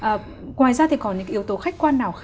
ngoài ra thì còn những yếu tố khách quan nào